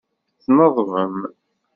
Tneḍbem.